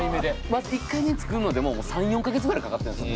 まず１回目作るのでも３４か月ぐらいかかってんですよ。